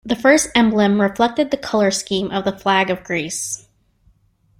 The first emblem reflected the colour scheme of the Flag of Greece.